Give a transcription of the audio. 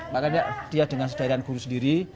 makanya dia dengan sedarian guru sendiri